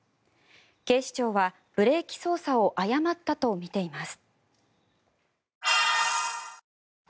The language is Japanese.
警視庁はブレーキ操作を誤ったとみています。